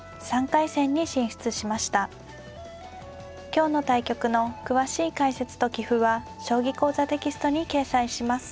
今日の対局の詳しい解説と棋譜は「将棋講座」テキストに掲載します。